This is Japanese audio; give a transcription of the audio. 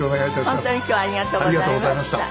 本当に今日はありがとうございました。